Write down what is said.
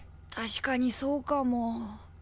確かにそうかも。